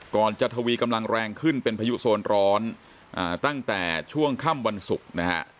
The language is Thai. ก่อนจะทวีกำลังแรงขึ้นเป็นพายุโซนร้อนตั้งแต่ช่วงค่ำวันศุกร์นะฮะ